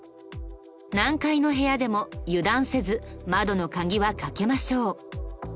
何階の部屋でも油断せず窓の鍵はかけましょう。